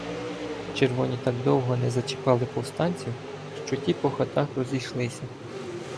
Червоні так довго не зачіпали повстанців, що ті по хатах розійшлися.